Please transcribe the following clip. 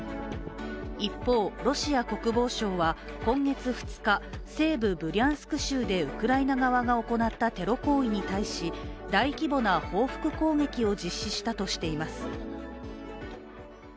一方、ロシア国防省は今月２日、西部ブリャンスク州でウクライナ側が行ったテロ行為に対し、大規模な報復攻撃を実施したとしています。